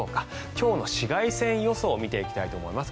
今日の紫外線予想を見ていきたいと思います。